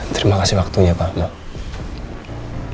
terima kasih waktunya pak